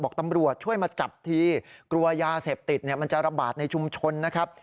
บอกตำรวจช่วยมาจับทีกลัวยาเสพติดเนี่ยมันจะระบาดในชุมชนนะครับ